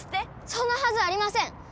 そんなはずありません！